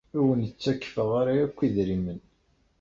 Ur awent-ttakfeɣ ara akk idrimen.